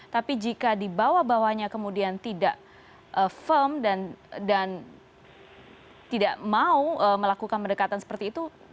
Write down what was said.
tapi jika di bawah bawahnya kemudian tidak firm dan tidak mau melakukan pendekatan seperti itu